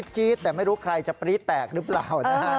จี๊ดแต่ไม่รู้ใครจะปรี๊ดแตกหรือเปล่านะฮะ